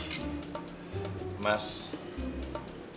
mas aku mau berhati hati